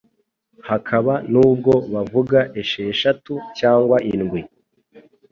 hakaba n’ubwo bavuga esheshatu cyangwa indwi